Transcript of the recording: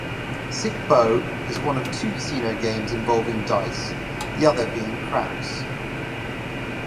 Sic bo is one of two casino games involving dice, the other being craps.